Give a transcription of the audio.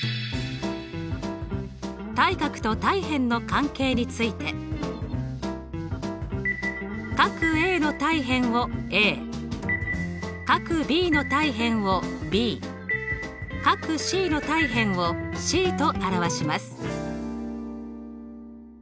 対角と対辺の関係について角Ａの対辺を角Ｂの対辺をｂ角Ｃの対辺をｃと表します。